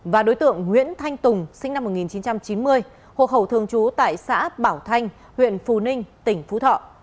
và đối tượng nguyễn thanh tùng sinh năm một nghìn chín trăm chín mươi hộ khẩu thường trú tại xã bảo thanh huyện phù ninh tỉnh phú thọ